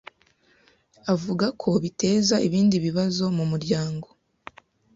avuga ko biteza ibindi bibazo mu muryango